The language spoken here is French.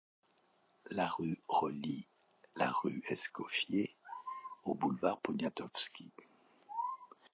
La rue relie la rue Escoffier au boulevard Poniatowski.